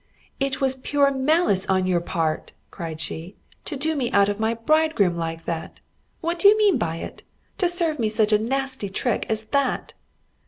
"It was pure malice on your part," cried she, "to do me out of my bridegroom like that! What do you mean by it? To serve me such a nasty trick as that!"